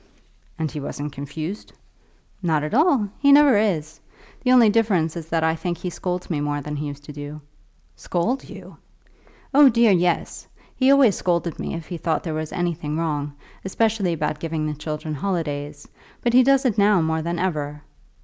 "And he wasn't confused?" "Not at all. He never is. The only difference is that I think he scolds me more than he used to do." "Scold you!" "Oh dear, yes; he always scolded me if he thought there was anything wrong, especially about giving the children holidays. But he does it now more than ever."